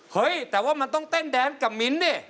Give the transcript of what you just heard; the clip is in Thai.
เฮ้ยแต่ว่ามันต้องเต้นแดนกับมิ้นท์นี่